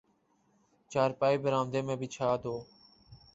چارپائی برآمدہ میں بچھا دو